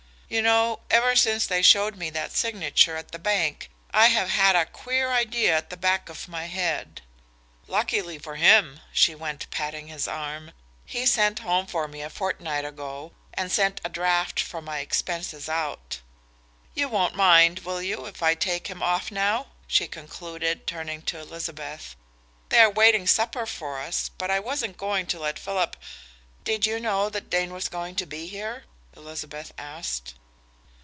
You know, ever since they showed me that signature at the bank I have had a queer idea at the back of my head. Luckily for him," she went, patting his arm, "he sent home for me a fortnight ago, and sent a draft for my expenses out. You won't mind, will you, if I take him off now?" she concluded, turning to Elizabeth. "They are waiting supper for us, but I wasn't going to let Philip " "Did you know that Dane was going to be here?" Elizabeth asked.